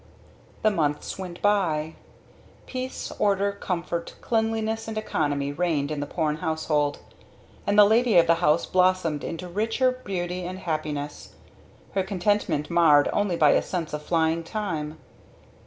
The months went by. Peace, order, comfort, cleanliness and economy reigned in the Porne household, and the lady of the house blossomed into richer beauty and happiness; her contentment marred only by a sense of flying time.